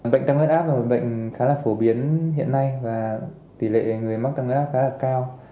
bệnh tăng huyết áp là một bệnh khá là phổ biến hiện nay và tỷ lệ người mắc tăng huyết áp khá là cao